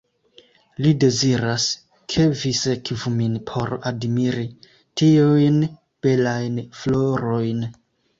Li deziras, ke vi sekvu min por admiri tiujn belajn florojn.